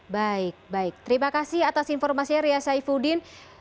baik baik terima kasih atas informasinya ria saifuddin